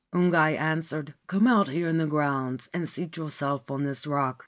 Ungai answered :' Come out here into the grounds and seat yourself on this rock.'